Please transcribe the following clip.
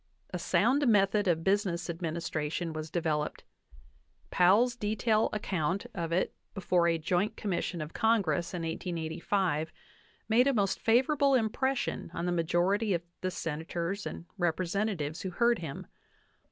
A sound method of business administration was developed. Powell's detailed account of it before a Joint Commission of Congress in 1885 made a most favorable impression on the majority of the Senators and Representatives who heard him.